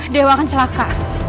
dewa akan selaka